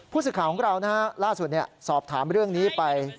ผู้สื่อข่าวของเราล่าสุดสอบถามเรื่องนี้ไป